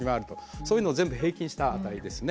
そういうのを全部平均した値ですね。